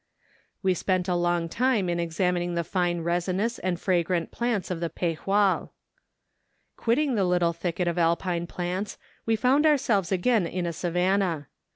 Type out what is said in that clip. We spent a long time in examining the fine resinous and fragrant plants of the Pejual. Quitting the little thicket of Alpine plants, we found ourselves again in a savannah.